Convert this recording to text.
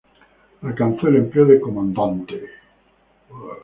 Alcanzó el empleo de comandante.